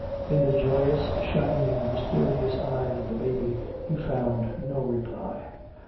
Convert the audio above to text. In the joyous, shining, mysterious eyes of the baby he found no reply.